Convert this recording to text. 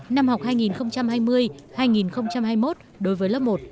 năm học hai nghìn hai mươi hai nghìn hai mươi một đối với lớp một